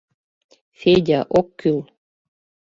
— Федя, ок кӱл...